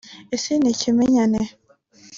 …Ese ni ikimenyane